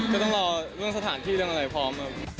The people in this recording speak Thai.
ก็ต้องรอเรื่องสถานที่เรื่องอะไรพร้อม